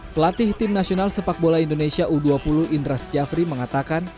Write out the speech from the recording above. pelatih tim nasional sepak bola indonesia u dua puluh indra syafri mengatakan